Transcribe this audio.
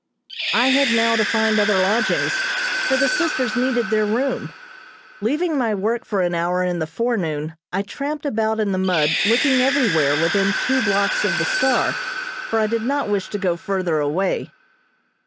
I had now to find other lodgings, for the sisters needed their room. Leaving my work for an hour in the forenoon I tramped about in the mud looking everywhere within two blocks of the "Star," for I did not wish to go further away.